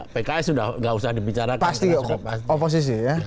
pks sudah tidak usah dibicarakan